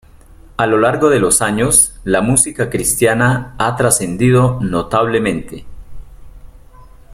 A lo largo de los años, la música cristiana ha trascendido notablemente.